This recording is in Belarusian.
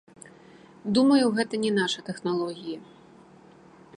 Думаю, гэта не нашы тэхналогіі.